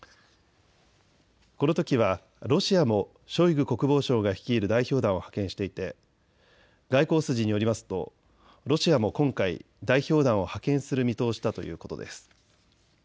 このときはロシアもショイグ国防相が率いる代表団を派遣していて外交筋によりますとロシアも今回、代表団を派遣する見通しだということです。